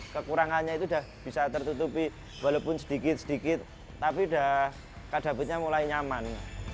kekurangannya itu sudah bisa tertutupi walaupun sedikit sedikit tapi kak davidnya mulai nyaman